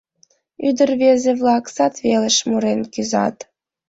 Ӱдыр-рвезе-влак сад велыш мурен кӱзат.